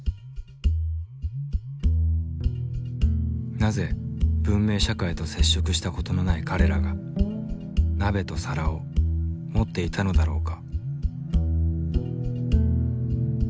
なぜ文明社会と接触した事のない彼らが鍋と皿を持っていたのだろうか？